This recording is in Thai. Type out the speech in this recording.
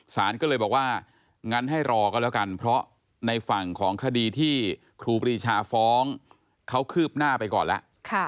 สารก็เลยบอกว่างั้นให้รอก็แล้วกันเพราะในฝั่งของคดีที่ครูปรีชาฟ้องเขาคืบหน้าไปก่อนแล้ว